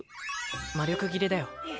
魔力切れだよ